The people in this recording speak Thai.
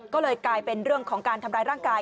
ก็เลยกลายเป็นเรื่องของการทำร้ายร่างกาย